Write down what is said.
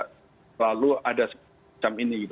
selalu ada macam ini